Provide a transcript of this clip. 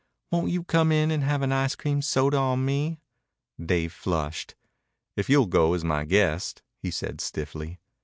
Won't you come in and have an ice cream soda on me?" Dave flushed. "If you'll go as my guest," he said stiffly.